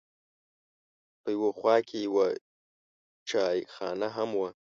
په یوه خوا کې یوه چایخانه هم وه.